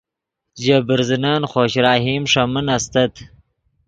ژے برزنن خوش رحیم ݰے من استت